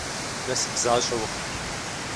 Насып защӏэ ухъу!